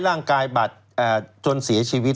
ร่างกายบัตรจนเสียชีวิต